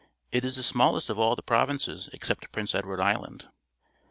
It is the smallest of all the provinces except Prince Edward Island.